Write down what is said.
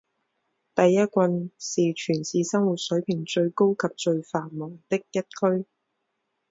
第一郡是全市生活水平最高及最繁忙的一区。